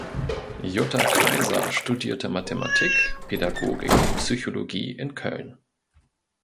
Jutta Kaiser studierte Mathematik, Pädagogik, Psychologie in Köln.